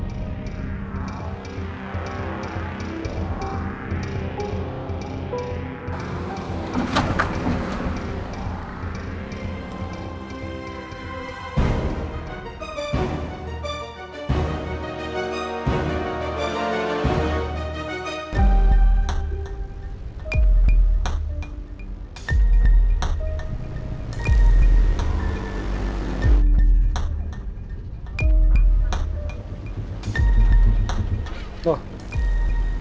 gini sudah avant grab